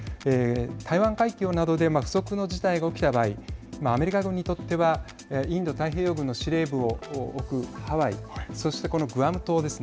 台湾環境などで不測の事態が起きた場合アメリカ軍にとってはインド太平洋軍の司令部を置くハワイそして、このグアム島ですね。